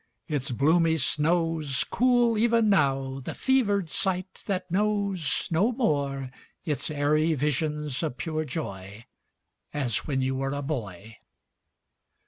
Its bloomy snows Cool even now the fevered sight that knows No more its airy visions of pure joy As when you were a boy.